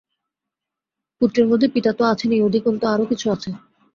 পুত্রের মধ্যে পিতা তো আছেনই, অধিকন্তু আরও কিছু আছে।